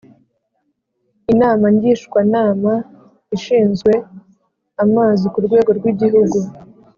Inama Ngishwanama ishinzwe amazi ku rwego rw’igihugu.